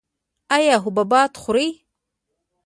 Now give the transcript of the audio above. ایا حبوبات خورئ؟